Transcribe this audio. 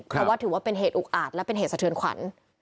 เพราะว่าถือว่าเป็นเหตุอุกอาจและเป็นเหตุสะเทือนขวัญ